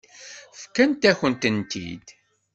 Fkan-akent-tent-id.